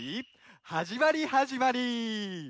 はじまりはじまり！